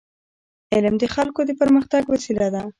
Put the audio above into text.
علم د خلکو د پرمختګ وسیله ده.